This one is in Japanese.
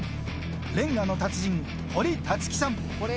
レンガの達人、堀竜基さん。